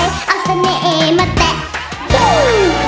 เอาสเนรมาแตะทิ้ง